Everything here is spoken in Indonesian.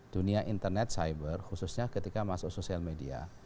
dunia internet cyber khususnya ketika masuk sosial media